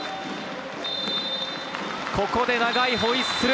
ここで長いホイッスル！